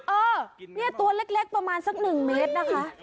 เออเนี่ยตัวเล็กประมาณสัก๑เมตรนะคะ